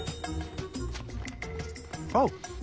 あっ！